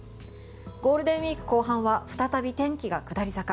ゴールデンウィーク後半は再び天気が下り坂。